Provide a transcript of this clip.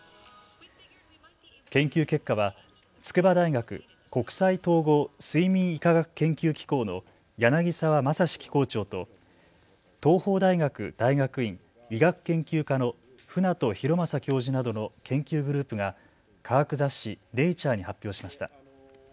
研究結果は筑波大学国際統合睡眠医科学研究機構の柳沢正史機構長と東邦大学大学院医学研究科の船戸弘正教授などの研究グループが科学雑誌ネイチャーに発表しました。